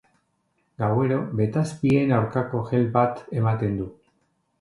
Gauero betazpien aurkako gel bat ematen du.